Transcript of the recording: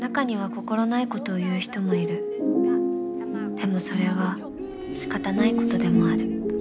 でもそれはしかたないことでもある。